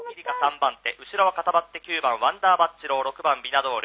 後ろは固まって９番ワンダーバッチロー６番ビナドール。